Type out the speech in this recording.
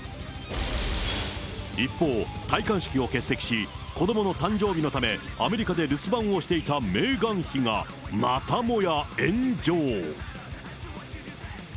一方、戴冠式を欠席し、子どもの誕生日のため、アメリカで留守番をしていたメーガン妃が、またもや炎上。